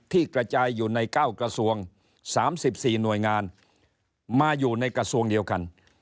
ที่กระจายอยู่ในเก้ากระทรวงสามสิบสี่หน่วยงานมาอยู่ในกระทรวงเดียวกัน